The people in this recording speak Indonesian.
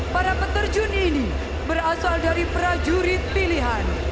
para peterjun ini berasal dari prajurit pilihan